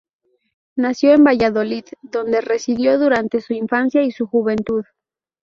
Nació en Valladolid, donde residió durante su infancia y su juventud.